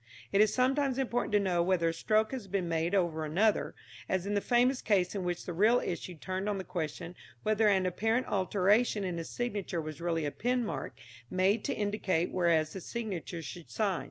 It is sometimes important to know whether a stroke has been made over another, as in the famous case in which the real issue turned on the question whether an apparent alteration in a signature was really a pen mark made to indicate where the signatory should sign.